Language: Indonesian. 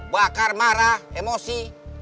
bakar marah emosi